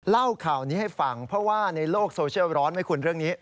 เล่าข่าวนี้ให้ฟังเพราะว่าในโลกโซเชียลร้อนไหมคุณเรื่องนี้